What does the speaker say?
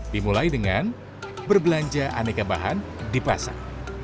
dimulai dengan berbelanja aneka bahan di pasar